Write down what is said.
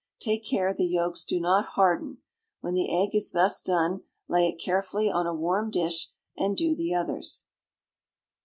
Take care the yolks do not harden. When the egg is thus done, lay it carefully on a warm dish, and do the others.